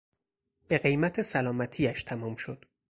به قیمت سلامتیاش تمام شد